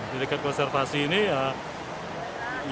jadi konservasi ini ya